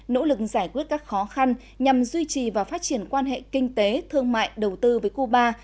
nỗ lực giải quyết các khó khăn nhằm duy trì và phát triển quan hệ kinh tế thương mại đầu tư với cuba